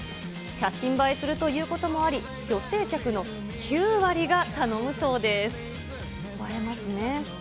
写真映えするということもあり、女性客の９割が頼むそうです。